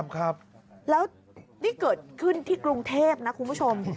ครับแล้วนี่เกิดขึ้นที่กรุงเทพนะคุณผู้ชม